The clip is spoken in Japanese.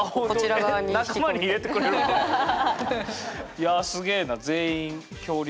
いやすげえな全員恐竜。